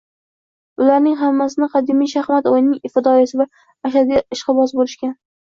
Ularning hammasi qadimiy shaxmat o‘yinining fidoyisi va ashaddiy ishqibozi bo‘lishgan